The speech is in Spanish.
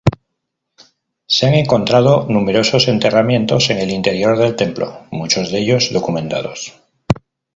Se han encontrado numerosos enterramientos en el interior del templo, muchos de ellos documentados.